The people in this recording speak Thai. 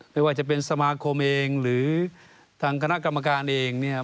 ไม่ว่าจะเป็นสมาคมเองหรือทางคณะกรรมการเองเนี่ย